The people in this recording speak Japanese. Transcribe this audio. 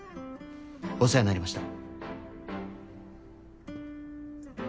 お世話になりました。